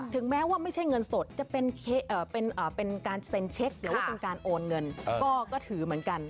แม้ว่าไม่ใช่เงินสดจะเป็นการเซ็นเช็คหรือว่าเป็นการโอนเงินก็ถือเหมือนกัน